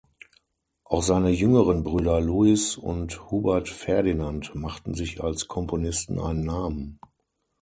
Auch seine jüngeren Brüder Louis und Hubert Ferdinand machten sich als Komponisten einen Namen.